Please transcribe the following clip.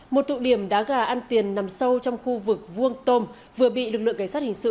một tụ điểm đá gà ăn tiền nằm sâu trong khu vực vuông tôm vừa bị lực lượng cảnh sát hình sự